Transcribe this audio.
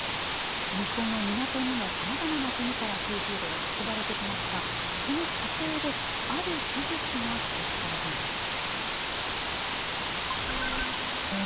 日本の港にもさまざまな国からシーフードが運ばれてきますがその過程である事実が指摘されたんです。